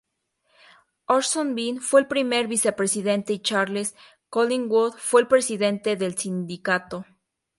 Orson Bean fue el primer vicepresidente y Charles Collingwood fue el presidente del sindicato.